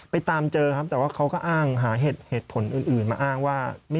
ตามเจอครับแต่ว่าเขาก็อ้างหาเหตุผลอื่นมาอ้างว่า